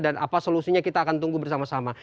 dan apa solusinya kita akan tunggu bersama sama